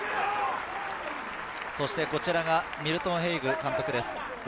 こちらがミルトン・ヘイグ監督です。